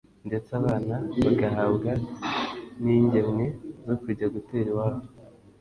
ndetse abana bagahabwa n’ingemwe zo kujya gutera iwabo